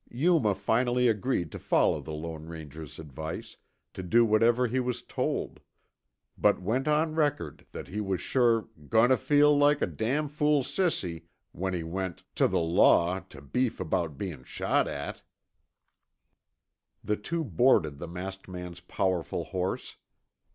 Yuma finally agreed to follow the Lone Ranger's advice, to do whatever he was told; but went on record that he was sure "goin' tuh feel like a damn fool sissy" when he went "tuh the law tuh beef about bein' shot at." The two boarded the masked man's powerful horse.